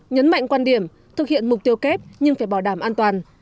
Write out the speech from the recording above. nhấn mạnh quan điểm thực hiện mục tiêu kép nhưng phải bảo đảm an toàn